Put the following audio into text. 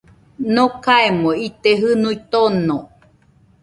Nokaemo ite jɨnuo tono